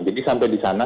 jadi sampai disana